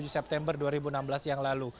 tujuh september dua ribu enam belas yang lalu